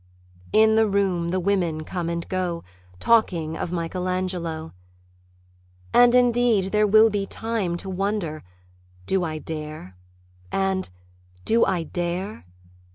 In the room the women come and go Talking of Michelangelo. And indeed there will be time To wonder, "Do I dare?" and, "Do I dare?"